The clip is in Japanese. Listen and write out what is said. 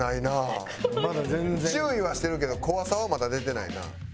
注意はしてるけど怖さはまだ出てないな。